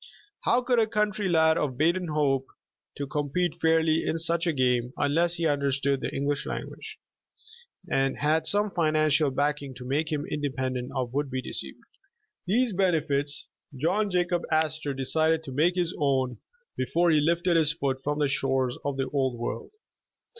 How could a country lad of Baden hope to compete fairly in such a game, unless he understood the English language, and had some financial backing to make him independ ent of would be deceivers? These benefits John Jacob 35 The Original John Jacob Astor Astor decided to make his own, before lie lifted hip foot from the shores of the old world.